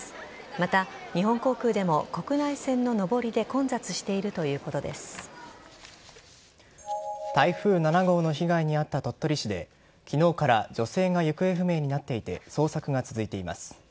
また、日本航空でも国内線の上りで台風７号の被害に遭った鳥取市で昨日から女性が行方不明になっていて捜索が続いています。